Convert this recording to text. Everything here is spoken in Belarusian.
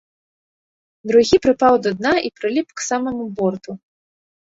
Другі прыпаў да дна і прыліп к самаму борту.